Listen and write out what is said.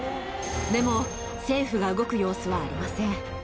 でも政府が動く様子はありません。